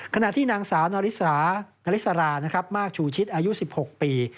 ขณะที่นางสาวนาริสรามากชูชิดอายุ๑๖ปี